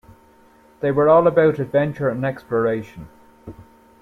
They were all about adventure and exploration.